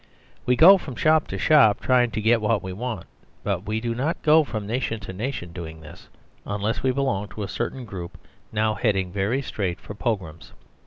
We go from shop to shop trying to get what we want ; but we do not go from nation to nation doing this ; unless we belong to a certain group now heading very straight for Pogroms.